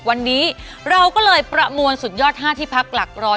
วันนี้เราก็เลยประมวลสุดยอด๕ที่พักหลักร้อย